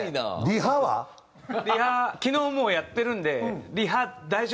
リハ昨日もうやってるんで。